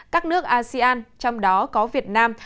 các nước asean trong đó có việt nam